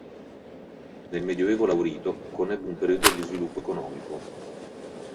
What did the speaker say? Nel Medioevo Laurito conobbe un periodo di sviluppo economico.